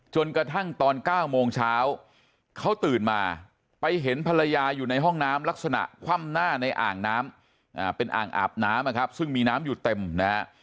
จนกระทั่งตอน๙โมงเช้าเขาตื่นมาไปเห็นภรรยาอยู่ในห้องน้ำลักษณะคว่ำหน้าในอ่างน้ำเป็นอ่างอาบน้ำนะครับซึ่งมีน้ำอยู่เต็มนะฮะ